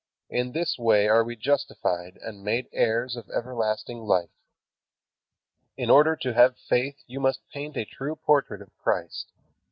In this way are we justified and made heirs of everlasting life. In order to have faith you must paint a true portrait of Christ.